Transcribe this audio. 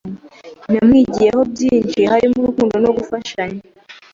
Namwigiyeho byinshi harimo urukundo no gufashanya.